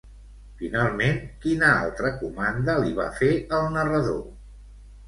Finalment, quina altra comanda li va fer el narrador?